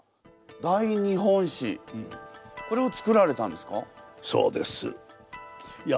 「大日本史」これを作られたんですか？